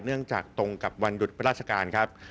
เนื่องจากตรงกับวันหยุดราชการครับ